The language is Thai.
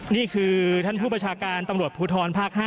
นี่คือท่านผู้ประชาการตำรวจภูทรภาค๕